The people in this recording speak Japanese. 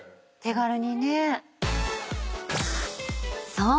［そう！